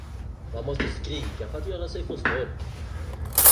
Man måste skrika för att göra sig förstådd.